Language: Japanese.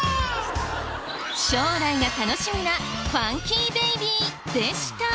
将来が楽しみなファンキーベイビーでした。